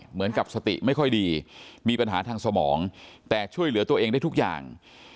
เหมือนกับสติไม่ค่อยดีมีปัญหาทางสมองแต่ช่วยเหลือตัวเองได้ทุกอย่าง